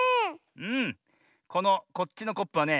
このこっちのコップはね。